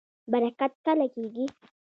برکت کله کیږي؟